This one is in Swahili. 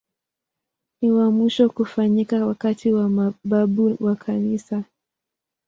Ni wa mwisho kufanyika wakati wa mababu wa Kanisa.